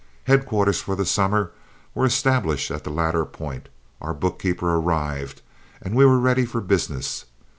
Headquarters for the summer were established at the latter point, our bookkeeper arrived, and we were ready for business.